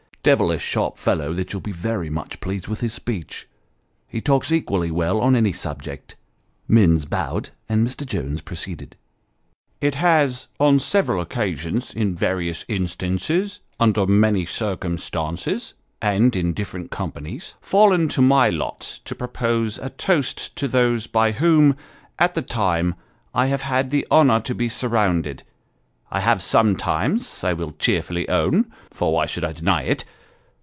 " Devilish sharp fellow that : you'll be very much pleased with his speech. He talks equally well on any subject." Minns bowed, and Mr. Jones proceeded " It has on several occasions, in various instances, under many circumstances, and in different companies, fallen to my lot to propose a toast to those by whom, at the time, I have had the honour to be surrounded. I have sometimes, I will cheerfully own for why should I deny it